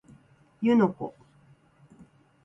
湯ノ湖